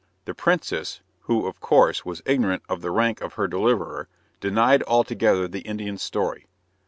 The princess, who, of course, was ignorant of the rank of her deliverer, denied altogether the Indian's story.